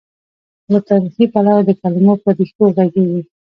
له تاریخي، پلوه د کلمو پر ریښو غږېږي.